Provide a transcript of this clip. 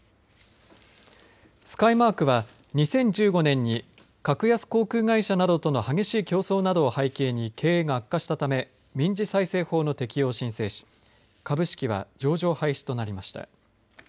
スカイマークは２０１５年に格安航空会社などとの激しい競争などを背景に経営が悪化したため民事再生法の適用を申請し株式は上場廃止となりました。